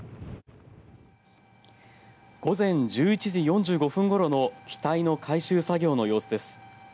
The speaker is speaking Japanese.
午前１１時４５分ごろの機体の回収作業の様子です。